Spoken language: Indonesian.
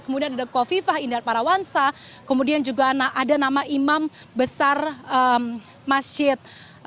kemudian ada kofifah indar parawansa kemudian juga ada nama imam besar masjid